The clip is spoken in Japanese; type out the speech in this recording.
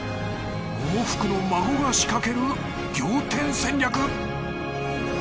百福の孫が仕掛ける仰天戦略